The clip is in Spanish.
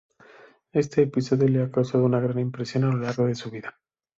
Este episodio le ha causado una gran impresión a lo largo de su vida.